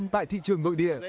tại thị trường nội địa